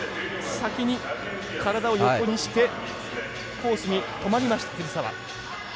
先に体を横にしてコースに止まりました、藤澤。